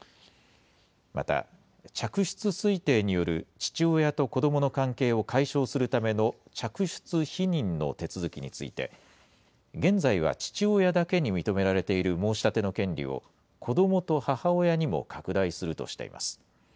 また、嫡出推定による父親と子どもの関係を解消するための嫡出否認の手続きについて、現在は父親だけに認められている申し立ての権利を、子どもと母親にも拡大するとしています。